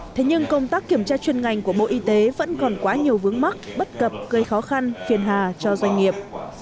thế nhưng công tác kiểm tra chuyên ngành của bộ y tế vẫn còn quá nhiều vướng mắc bất cập gây khó khăn phiền hà cho doanh nghiệp